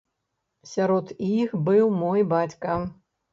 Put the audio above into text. Сярод іх быў мой бацька.